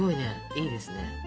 いいですね。